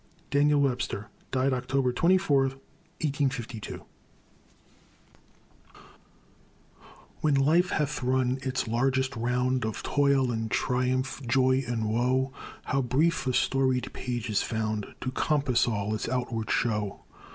DANIEL WEBSTER [Died October 24, 1852] When life hath run its largest round Of toil and triumph, joy and woe, How brief a storied page is found To compass all its outward show!